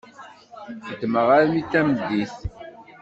Xedmeγ armi d tameddit.